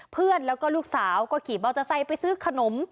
เพื่อนแล้วก็ลูกสาวก็ขี่มอเตอร์ไซค์ไปซื้อขนม